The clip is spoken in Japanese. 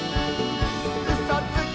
「うそつき！」